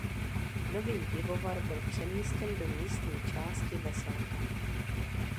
Nový pivovar byl přemístěn do místní části Veselka.